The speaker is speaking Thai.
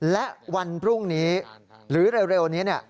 และวันพรุ่งนี้หรือเร็วนี้